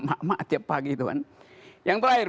mak mak tiap pagi itu kan yang terakhir